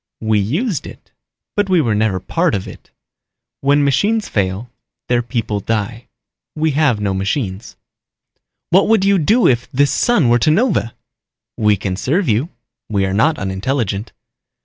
"We used it, but we were never part of it. When machines fail, their people die. We have no machines." "What would you do if this sun were to nova?" "We can serve you. We are not unintelligent."